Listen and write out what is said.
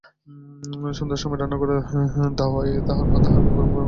সন্ধ্যার সময় রান্নাঘরের দাওয়ায় তাহার মা তাহাকে গরম গরম পরোটা ভাজিয়া দিতেছিল।